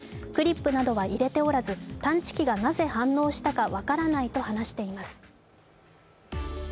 男性は取材に対し、クリップなどは入れておらず探知機がなぜ反応したか分からないと話しています。